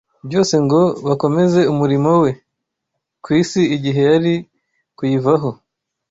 byose ngo bakomeze umurimo we ku isi igihe yari kuyivaho